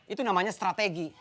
itu namanya strategi